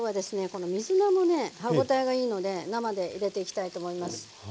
この水菜もね歯応えがいいので生で入れていきたいと思います。